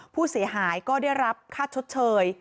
ผู้เสียหายก็ได้รับค่าชดเชย